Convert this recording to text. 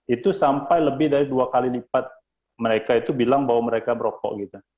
itu sampai lebih dari dua kali lipat mereka itu bilang bahwa mereka berokok gitu